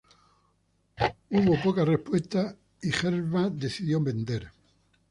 Hubo poca respuesta, y Gernsback decidió vender.